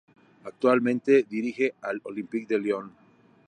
Actualmente dirige al Olympique de Lyon.